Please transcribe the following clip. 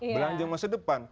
belanja masa depan